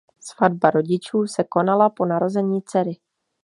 Svatba rodičů se konala po narození dcery.